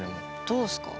どうですか？